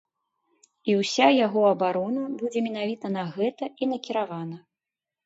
І ўся яго абарона будзе менавіта на гэта і накіравана.